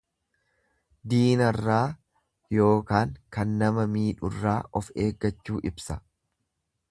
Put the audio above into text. Diinarraa yookaan kan nama miidhurraa of eeggachuu ibsa.